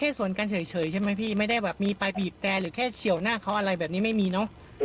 สวนกันเฉยใช่ไหมพี่ไม่ได้แบบมีไปบีบแต่หรือแค่เฉียวหน้าเขาอะไรแบบนี้ไม่มีเนอะ